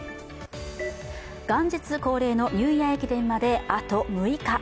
元日恒例のニューイヤー駅伝まであと６日。